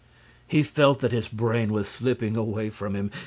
He felt that his brain was slipping away from him.